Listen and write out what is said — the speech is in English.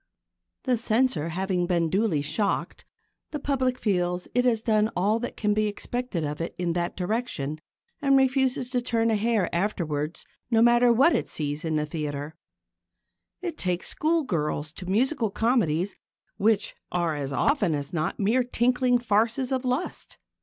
The Censor having been duly shocked, the public feels that it has done all that can be expected of it in that direction and it refuses to turn a hair afterwards no matter what it sees in the theatre. It takes schoolgirls to musical comedies which are as often as not mere tinkling farces of lust.